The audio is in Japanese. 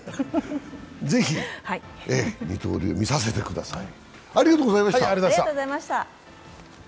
ぜひ二刀流、見させてください。